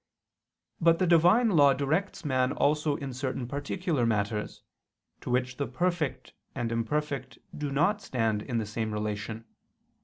But the Divine law directs man also in certain particular matters, to which the perfect and imperfect do not stand in the same relation.